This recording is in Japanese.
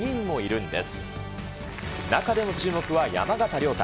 中でも注目は山縣亮太。